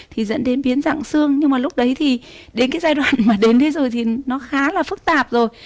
thì dẫn đến biến dạng xương nhưng mà lúc đấy thì đến cái giai đoạn mà đến thế rồi thì nó khá là phức tạp rồi